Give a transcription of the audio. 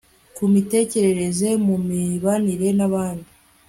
ku mitekerereze, ku mibanire n'abandi